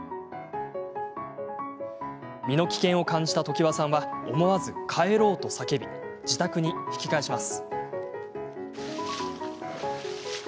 身の危険を感じた常和さんは思わず、帰ろうと叫び自宅に引き返します。